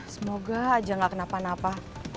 semoga aja gak kenapa napa